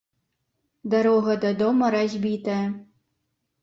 Дарога да дома разбітая.